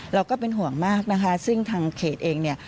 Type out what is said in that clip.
เราก็เป็นห่วงมากนะคะซึ่งทางเขตเองเนี่ย